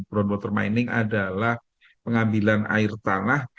groundwater mining adalah pengambilan air tanah